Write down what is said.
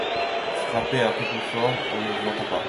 Frappez un peu plus fort, on ne vous entend pas !